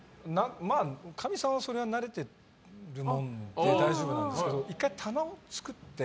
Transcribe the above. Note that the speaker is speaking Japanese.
かみさんは慣れているもんで大丈夫なんですが１回棚を作って。